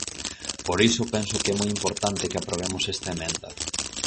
Por iso penso que é moi importante que aprobemos esta emenda.